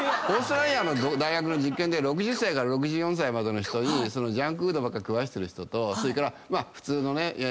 オーストラリアの大学の実験で６０歳から６４歳までの人にジャンクフードばっか食わせてる人とそれからまあ普通のね。